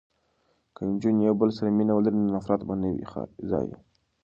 که نجونې یو بل سره مینه ولري نو نفرت به نه وي ځای.